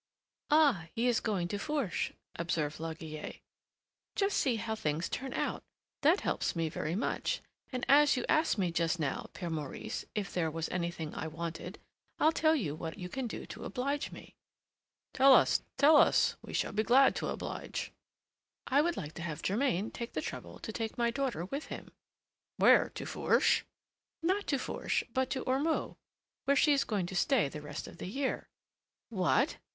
"Ah! he is going to Fourche?" observed La Guillette. "Just see how things turn out! that helps me very much, and as you asked me just now, Père Maurice, if there was anything I wanted, I'll tell you what you can do to oblige me." "Tell us, tell us, we shall be glad to oblige." "I would like to have Germain take the trouble to take my daughter with him." "Where? to Fourche?" "Not to Fourche, but to Ormeaux, where she is going to stay the rest of the year." "What!"